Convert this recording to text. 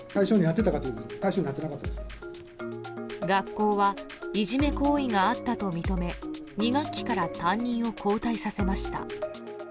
学校はいじめ行為があったと認め２学期から担任を交代させました。